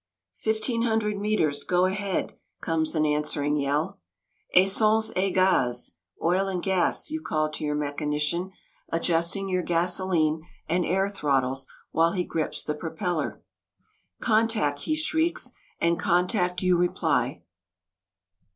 "Fifteen hundred metres go ahead!" comes an answering yell. Essence et gaz! [Oil and gas!] you call to your mechanician, adjusting your gasolene and air throttles while he grips the propeller. Contact! he shrieks, and Contact! you reply.